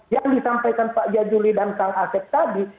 yang disampaikan pak jazuli dan kang asek tadi